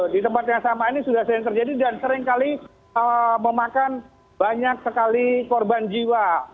di tempat yang sama ini sudah sering terjadi dan seringkali memakan banyak sekali korban jiwa